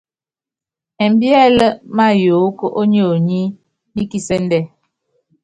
Ɛmbíɛ́lɛ́ máyɔɔ́k ó nionyi ní kisɛ́ndɛ.